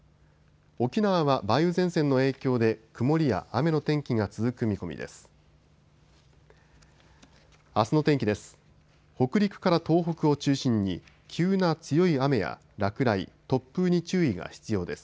沖縄は梅雨前線の影響で曇りや雨の天気が続く見込みです。